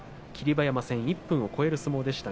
馬山戦１分を超える相撲でした。